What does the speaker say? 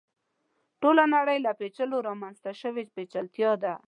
ټوله نړۍ له پېچلو رامنځته شوې پېچلتیا ده.